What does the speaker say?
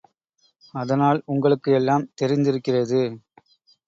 அதனால் உங்களுக்கு எல்லாம் தெரிந்திருக்கிறது.